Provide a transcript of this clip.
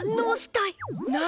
何？